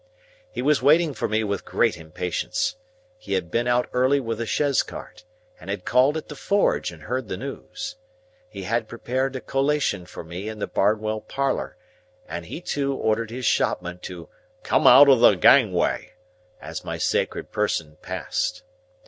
He was waiting for me with great impatience. He had been out early with the chaise cart, and had called at the forge and heard the news. He had prepared a collation for me in the Barnwell parlour, and he too ordered his shopman to "come out of the gangway" as my sacred person passed.